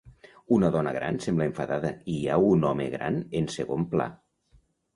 Una dona gran sembla enfadada i hi ha un home gran en segon pla.